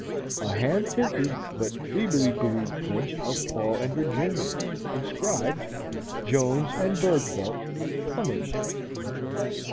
a hand tinted but feebly glued print of Paul and Virginia, inscribed, "Jones and Bergfeldt, Plumbers."